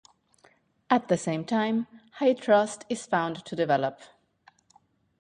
At the same time, high trust is found to develop.